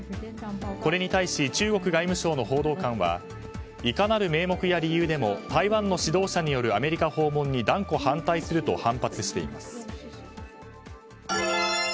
これに対し中国外務省の報道官はいかなる名目や理由でも台湾の指導者によるアメリカ訪問に断固反対すると反発しています。